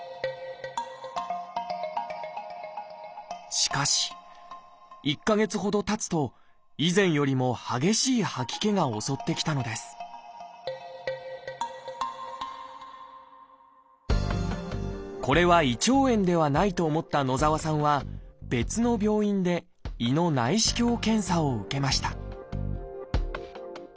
しかし１か月ほどたつと以前よりも激しい吐き気が襲ってきたのですこれは胃腸炎ではないと思った野澤さんは別の病院で胃の内視鏡検査を受けました